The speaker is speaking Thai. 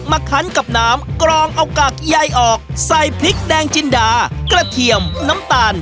คันกับน้ำกรองเอากากใยออกใส่พริกแดงจินดากระเทียมน้ำตาล